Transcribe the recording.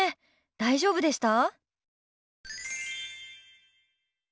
大丈夫でした？